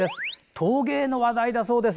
陶芸の話題だそうです。